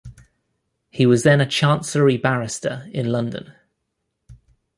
He was then a chancery barrister in London.